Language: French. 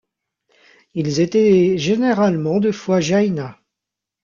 Ils étaient généralement de foi jaina.